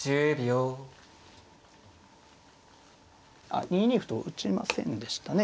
あっ２二歩と打ちませんでしたね。